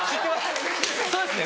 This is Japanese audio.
そうですね。